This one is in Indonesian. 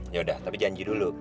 ya udah tapi janji dulu